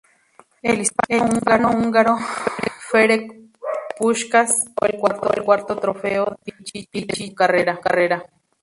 El hispano-húngaro Ferenc Puskás logró el cuarto Trofeo Pichichi de su carrera.